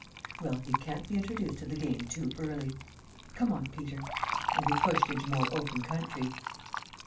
"Well, he can't be introduced to the game too early. Come on, Peter." And we pushed into more open country.